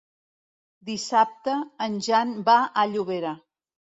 Dissabte en Jan va a Llobera.